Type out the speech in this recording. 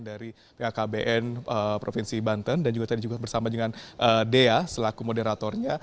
dari bkkbn provinsi banten dan juga tadi juga bersama dengan dea selaku moderatornya